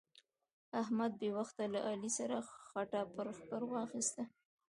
احمد بې وخته له علي سره خټه پر ښکر واخيسته.